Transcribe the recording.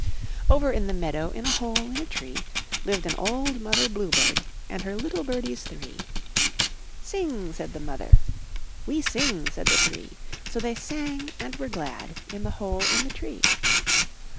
Over in the meadow. In a hole in a tree. Lived an old mother bluebird And her little birdies three. 64 I N NURSERY Sing/* said the mother; "We sing," said the three; So they sang and were glad, In the hole in the tree.